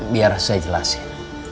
biar saya jelasin